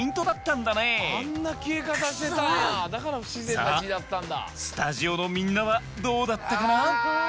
さぁスタジオのみんなはどうだったかな？